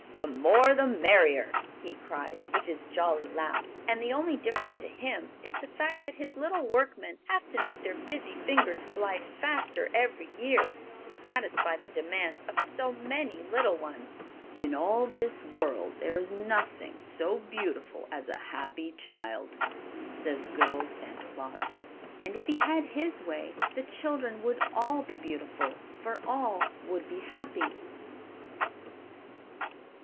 "The more the merrier!" he cries, with his jolly laugh; and the only difference to him is the fact that his little workmen have to make their busy fingers fly faster every year to satisfy the demands of so many little ones. "In all this world there is nothing so beautiful as a happy child," says good old Santa Claus; and if he had his way the children would all be beautiful, for all would be happy.